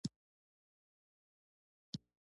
د اجرائیه رییس لومړي مرستیال.